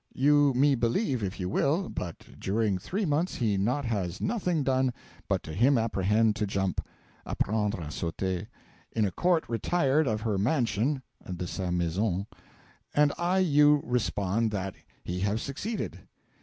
You me believe if you will, but during three months he not has nothing done but to him apprehend to jump (apprendre a sauter) in a court retired of her mansion (de sa maison). And I you respond that he have succeeded.